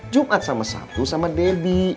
jumat sama sabtu sama debbie